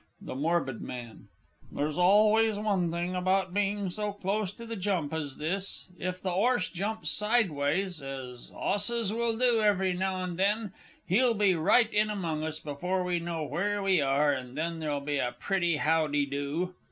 THE MORBID MAN, There's one thing about being so close to the jump as this if the 'orse jumps sideways as 'osses will do every now and then he'll be right in among us before we know where we are, and then there'll be a pretty how de do!